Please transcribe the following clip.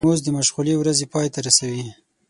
ترموز د مشغولې ورځې پای ته رسوي.